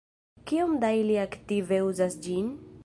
Kiom da ili aktive uzas ĝin?